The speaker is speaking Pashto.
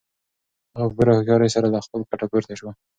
هغه په پوره هوښیارۍ سره له خپل کټه پورته شو.